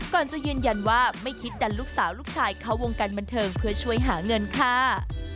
ก่อนจะยืนยันว่าไม่คิดดันลูกสาวลูกชายเข้าวงการบันเทิงเพื่อช่วยหาเงินค่ะ